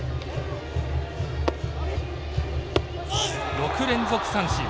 ６連続三振。